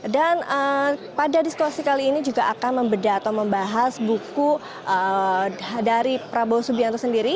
dan pada diskusi kali ini juga akan membeda atau membahas buku dari prabowo subianto sendiri